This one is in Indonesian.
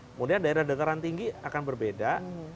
kemudian daerah dataran tinggi akan berbeda